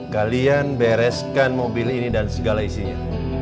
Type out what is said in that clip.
kalian bereskan mobil ini dan segala isinya